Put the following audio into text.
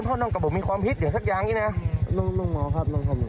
พ่อน้องกับผมมีความพิษอย่างสักอย่างอย่างเนี้ยน้องน้องเมาครับน้องครับ